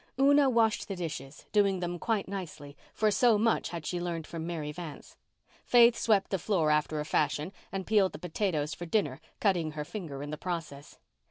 Una washed the dishes, doing them quite nicely, for so much had she learned from Mary Vance. Faith swept the floor after a fashion and peeled the potatoes for dinner, cutting her finger in the process.